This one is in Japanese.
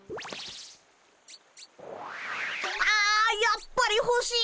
あやっぱりほしい！